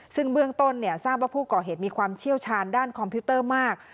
ซึ่งเบื้องต้นทราบว่าผู้ก่อเหตุมีความเชี่ยวชาญด้านคอมพิวเตอร์มาก